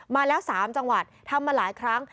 มาแล้ว๓จังหวัดทำมาหลายครั้ง